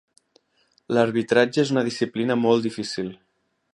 L'arbitratge és una disciplina molt difícil.